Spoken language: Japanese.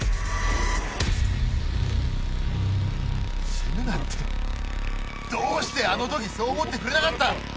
・死ぬなってどうしてあのときそう思ってくれなかった？